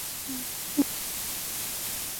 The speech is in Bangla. জানো আমি কে।